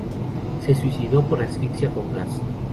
Se suicidó por asfixia con gas.